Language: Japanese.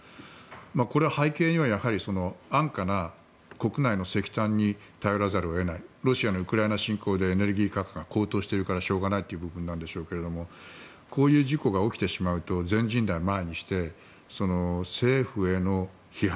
これは背景には安価な国内の石炭に頼らざるを得ないロシアのウクライナ侵攻でエネルギー価格が高騰しているからしょうがないという部分でしょうがこういう事故が起きてしまうと全人代を前にして政府への批判